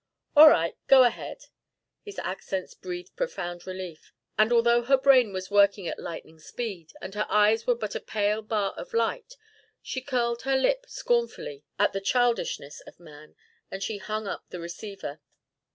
"All right. Go ahead." His accents breathed profound relief, and although her brain was working at lightning speed, and her eyes were but a pale bar of light, she curled her lip scornfully at the childishness of man, as she hung up the receiver.